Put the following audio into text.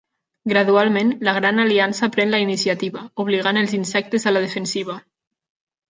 Gradualment, la Gran Aliança pren la iniciativa, obligant els insectes a la defensiva.